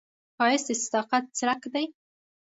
ښایست د صداقت څرک دی